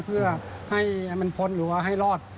เพื่อให้มันพ้นหรือว่าให้รอด